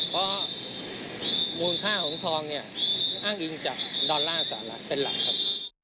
เพราะมูลค่าของทองเนี่ยอ้างอิงจากดอลลาร์สหรัฐเป็นหลักครับ